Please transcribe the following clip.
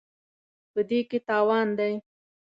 په دې کې تاوان دی.